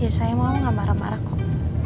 ya sayang mama nggak marah marah kok